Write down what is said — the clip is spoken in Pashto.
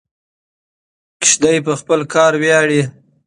ماشوم په خپل کار ویاړي.